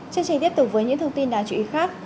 chương trình tiếp tục với những thông tin đáng chú ý khác